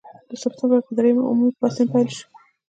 د سپټمبر پر دریمه عمومي پاڅون پیل شو.